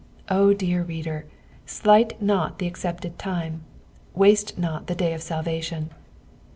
O dear reader, slight not the accepted time, waste not the day of salvation.